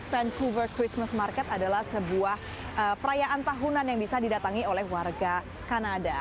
vancouver christmas market adalah sebuah perayaan tahunan yang bisa didatangi oleh warga kanada